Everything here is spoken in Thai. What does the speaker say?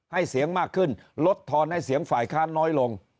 เสียงมากขึ้นลดทอนให้เสียงฝ่ายค้านน้อยลง